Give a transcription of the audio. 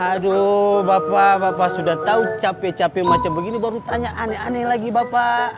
aduh bapak bapak sudah tahu capek capek macam begini baru tanya aneh aneh lagi bapak